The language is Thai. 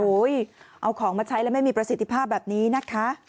เอาของมาใช้แล้วไม่มีประสิทธิภาพแบบนี้นะคะ